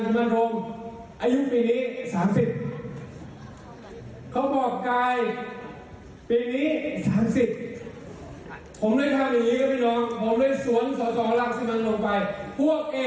พวกเองอายุ๓๐ค่าในยกรัฐมนตรีคนที่๓๐ของประเทศไทยครับ